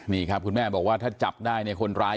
นี่ครับคุณแม่บอกว่าถ้าจับได้เนี่ยคนร้าย